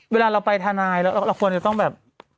เวลาเราไปทนายแล้วเราควรจะต้องแบบ